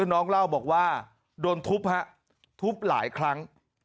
น้องเล่าบอกว่าโดนทุบฮะทุบหลายครั้ง